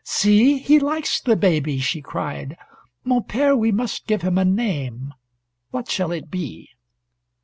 "See, he likes the baby!" she cried. "Mon pere, we must give him a name. What shall it be?"